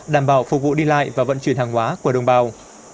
đảm bảo phục vụ đi lại và vận chuyển hàng hóa của đồng bào